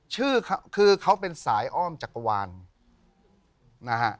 ชื่อคือเขาเป็นสายอ้อมจักรวาลนะฮะ